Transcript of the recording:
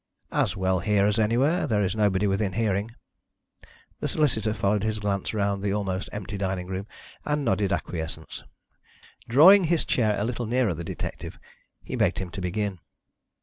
"As well here as anywhere. There is nobody within hearing." The solicitor followed his glance round the almost empty dining room, and nodded acquiescence. Drawing his chair a little nearer the detective, he begged him to begin.